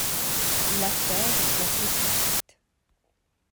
L'affaire est classée sans suite.